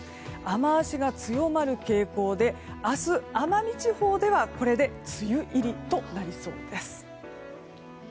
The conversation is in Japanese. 雨脚が強まる傾向で明日、奄美地方ではこれで梅雨入りとなりそうです。